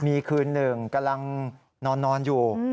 มีคืนหนึ่งกำลังนอนอยู่